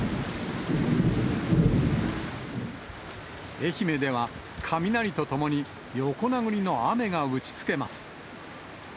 愛媛では、雷とともに横殴りの雨が打ちつけます。